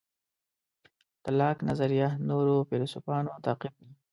د لاک نظریه نورو فیلیسوفانو تعقیب کړه.